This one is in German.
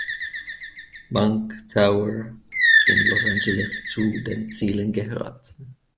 Bank Tower in Los Angeles zu den Zielen gehört.